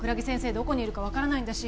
どこにいるか分からないんだし